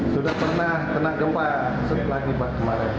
sudah pernah kena gempa setelah ini pak